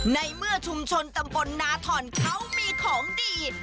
ในเมื่อชุมชนตำบลนาถอนเขามีของดี